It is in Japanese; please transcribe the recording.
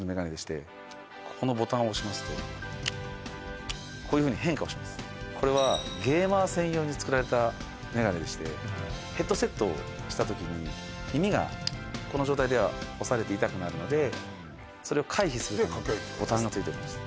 このボタンを押しますとこれはゲーマー専用に作られたメガネでしてヘッドセットをした時に耳がこの状態では押されて痛くなるのでそれを回避するためにボタンがついております